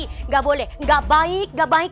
enggak boleh enggak baik enggak baik